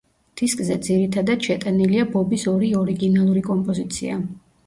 დისკზე ძირითადად შეტანილია ბობის ორი ორიგინალური კომპოზიცია.